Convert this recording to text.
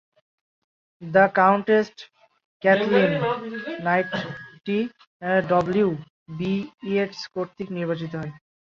"The countess Cathleen" নাটকটি W. B. Yeats কর্তৃক নির্বাচিত হয়।